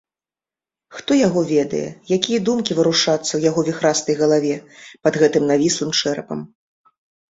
Хто яго ведае, якія думкі варушацца ў яго віхрастай галаве, пад гэтым навіслым чэрапам.